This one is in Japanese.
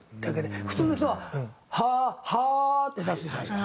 普通の人は「ハアーハアー」って出すじゃないですか。